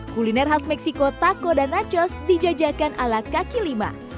kuliner khas meksiko taco dan nachos dijajakan ala kaki lima